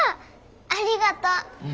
ありがとう。